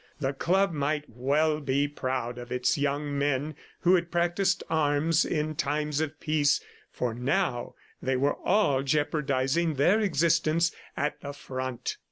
The club might well be proud of its young men who had practised arms in times of peace, for now they were all jeopardizing their existence at the front.